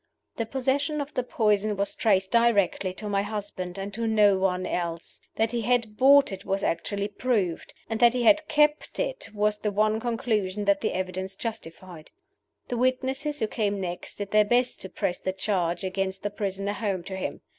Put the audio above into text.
The possession of the poison was traced directly to my husband, and to no one else. That he had bought it was actually proved, and that he had kept it was the one conclusion that the evidence justified. The witnesses who came next did their best to press the charge against the prisoner home to him.